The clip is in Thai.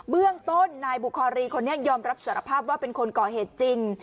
เบื้องต้นนายบุคารีคนนี้ยอมรับสารภาพว่าเป็นคนก่อเหตุจริง